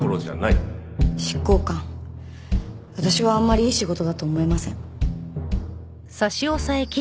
執行官私はあんまりいい仕事だと思えません。